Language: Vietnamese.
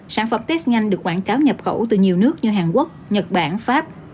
sản phẩm test nhanh được quảng cáo nhập khẩu từ nhiều nước như hàn quốc nhật bản pháp